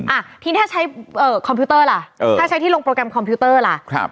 อ่ะทีนี้ถ้าใช้เอ่อคอมพิวเตอร์ล่ะเออถ้าใช้ที่ลงโปรแกรมคอมพิวเตอร์ล่ะครับ